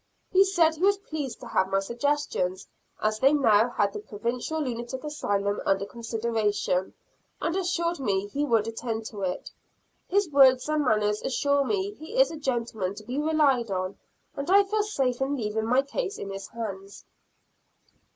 He said he was pleased to have my suggestions, as they now had the Provincial Lunatic Asylum under consideration, and assured me he would attend to it. His words and manners assure me he is a gentleman to be relied on, and I feel safe in leaving my case in his hands.